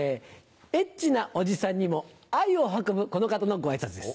Ｈなおじさんにも「Ｉ」を運ぶこの方のご挨拶です。